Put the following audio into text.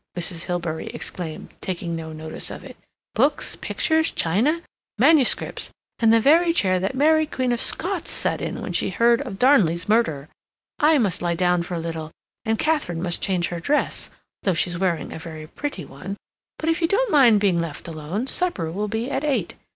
Mrs. Hilbery exclaimed, taking no notice of it. "Books, pictures, china, manuscripts, and the very chair that Mary Queen of Scots sat in when she heard of Darnley's murder. I must lie down for a little, and Katharine must change her dress (though she's wearing a very pretty one), but if you don't mind being left alone, supper will be at eight.